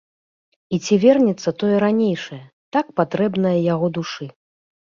І ці вернецца тое ранейшае, так патрэбнае яго душы?